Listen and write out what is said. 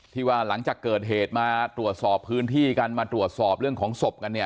ที่ว่าหลังจากเกิดเหตุมาตรวจสอบพื้นที่กันมาตรวจสอบเรื่องของศพกันเนี่ย